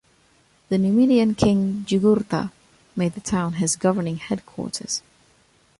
The Numidian king Jugurtha made the town his governing headquarters.